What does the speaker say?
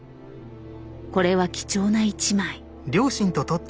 これは貴重な一枚。